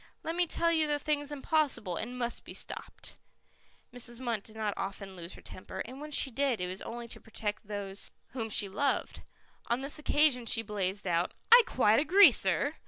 Let me tell you the thing's impossible, and must be stopped." Mrs. Munt did not often lose her temper, and when she did it was only to protect those whom she loved. On this occasion she blazed out. "I quite agree, sir.